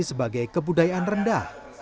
sebagai kebudayaan rendah